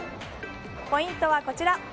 ポイントはこちら。